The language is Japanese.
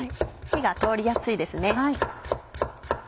火が通りやすいですね。